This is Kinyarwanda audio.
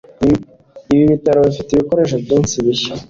Ibi bitaro bifite ibikoresho byinshi bishya.